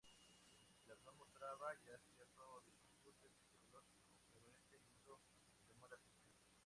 El autor mostraba ya cierto desajuste psicológico, pero ese libro llamó la atención.